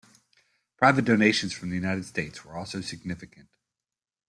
Private donations from the United States were also significant.